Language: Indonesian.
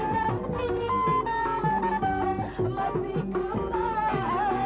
dibulu bulanin anak ingusan lah